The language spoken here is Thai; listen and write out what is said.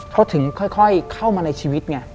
เขาถึงค่อยเข้ามาในชีวิตไง